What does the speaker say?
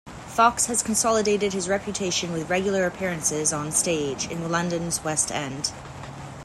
Fox has consolidated his reputation with regular appearances on stage in London's West End.